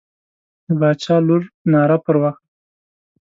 د باچا لور ناره پر وکړه.